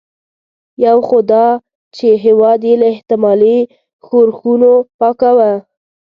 یو خو دا چې هېواد یې له احتمالي ښورښونو پاکاوه.